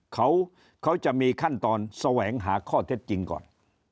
เขาจะมีขั้นตอนแสวงหาข้อเท็จจริงก่อน